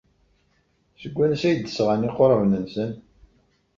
Seg wansi ay d-sɣan iqraben-nsen?